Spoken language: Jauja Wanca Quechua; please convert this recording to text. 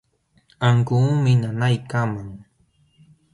Ankuumi nanaykaman.